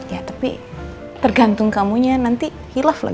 ya tapi tergantung kamunya nanti hilaf lah